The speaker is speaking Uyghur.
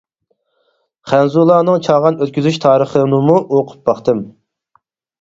خەنزۇلارنىڭ چاغان ئۆتكۈزۈش تارىخىنىمۇ ئوقۇپ باقتىم.